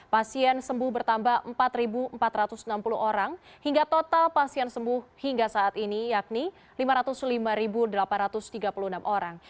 pasien sembuh bertambah empat empat ratus enam puluh orang hingga total pasien sembuh hingga saat ini yakni lima ratus lima delapan ratus tiga puluh enam orang